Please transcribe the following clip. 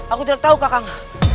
aku tidak tahu kakang